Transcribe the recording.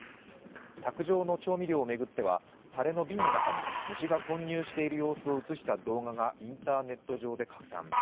卓上の調味料を巡ってはタレの瓶の中に虫が混入している様子を映した動画がインターネット上で拡散。